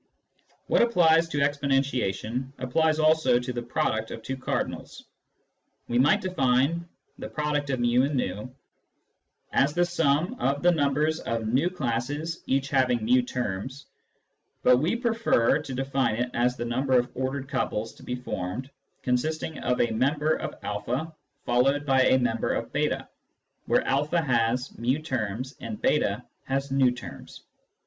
What applies to exponentiation applies also to the product of two cardinals. We might define " fiXv" as the sum of the numbers of v classes each having ju, terms, but we prefer to define it as the number of ordered couples to be formed consisting of a member of a followed by a member of j3, where a has fi terms and j8 has v terms.